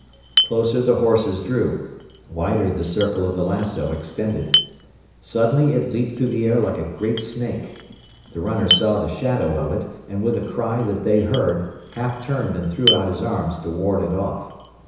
Closer the horses drew. Wider the circle of the lassoo extended. Suddenly it leaped through the air like a great snake. The runner saw the shadow of it, and with a cry that they heard, half turned and threw out his arms to ward it off.